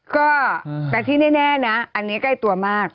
ก็แต่ที่แน่นะอันนี้ใกล้ตัวมาก